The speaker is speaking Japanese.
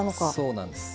そうなんです。